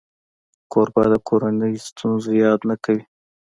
کوربه د کورنۍ ستونزو یاد نه کوي.